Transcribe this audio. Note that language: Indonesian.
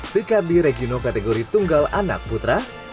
dekati regino kategori tunggal anak putra